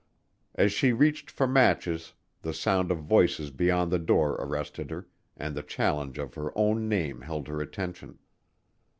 As she reached for matches the sound of voices beyond the door arrested her, and the challenge of her own name held her attention.